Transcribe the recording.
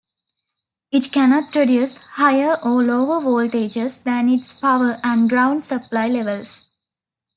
It cannot produce higher or lower voltages than its power and ground supply levels.